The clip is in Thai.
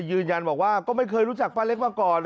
ยืนยันบอกว่าก็ไม่เคยรู้จักป้าเล็กมาก่อน